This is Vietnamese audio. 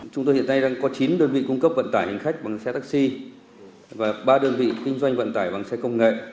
chúng tôi hiện nay đang có chín đơn vị cung cấp vận tải hành khách bằng xe taxi và ba đơn vị kinh doanh vận tải bằng xe công nghệ